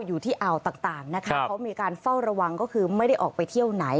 อยู่ที่อ่าวต่างนะคะเขามีการเฝ้าระวังก็คือไม่ได้ออกไปเที่ยวไหน